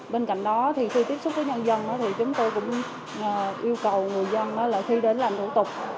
bên cạnh đó khi tiếp xúc với nhân dân chúng tôi cũng yêu cầu người dân khi đến làm thủ tục